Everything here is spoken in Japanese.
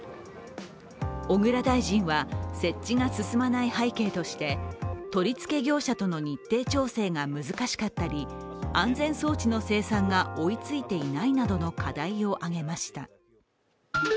小倉大臣は、設置が進まない背景として、取り付け業者との日程調整が難しかったり安全装置の生産が追いついていないなどの課題を挙げました。